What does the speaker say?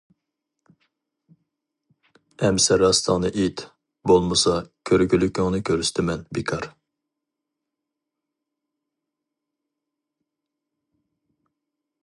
-ئەمىسە راستىڭنى ئېيت، بولمىسا كۆرگۈلۈكۈڭنى كۆرسىتىمەن بىكار!